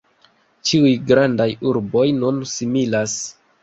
Ĉiuj grandaj urboj nun similas.